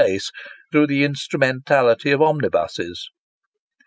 109 place, through the instrumentality of omnibuses.